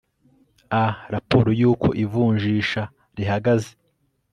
a raporo y uko ivunjinsha rihagaze